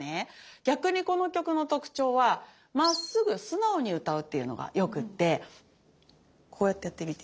逆にこの曲の特徴はまっすぐ素直に歌うっていうのがよくってこうやってやってみて。